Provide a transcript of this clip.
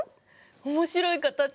面白い形！